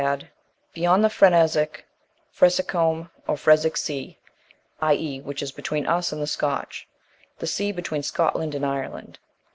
add, "beyond the Frenesic, Fresicum (or Fresic) sea," i.e. which is between us and the Scotch. The sea between Scotland and Ireland.